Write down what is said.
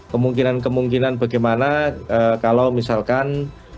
kemungkinan kemungkinan bagaimana kalau misalkan